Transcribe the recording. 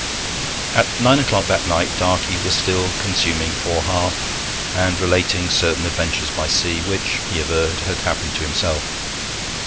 At nine o'clock that night Darkey was still consuming four half, and relating certain adventures by sea which, he averred, had happened to himself.